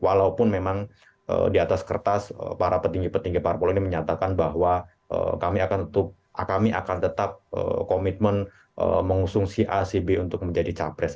walaupun memang di atas kertas para petinggi petinggi parpol ini menyatakan bahwa kami akan tetap komitmen mengusung si a si b untuk menjadi capres